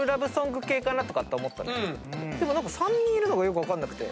でも３人いるのがよく分かんなくて。